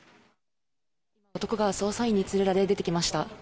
男が捜査員に連れられて出てきました。